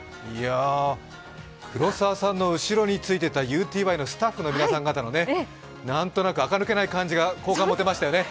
黒澤さんの後についてたＵＴＹのスタッフの皆さん、あかぬけない感じが好感持てましたよね。